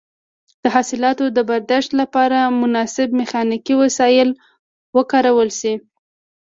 د حاصلاتو د برداشت لپاره مناسب میخانیکي وسایل وکارول شي.